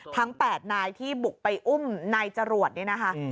ทั้ง๘นายที่บุกไปอุ้มนายจรวดเนี่ยนะคะ